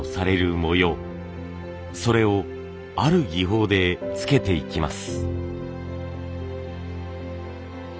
それをある技法でつけていきます。